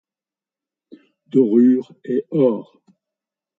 Dorure est or.